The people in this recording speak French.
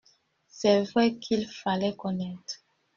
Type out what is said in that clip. C’est vrai qu’il fallait connaître.